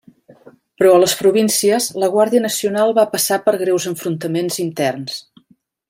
Però a les províncies, la Guàrdia Nacional va passar per greus enfrontaments interns.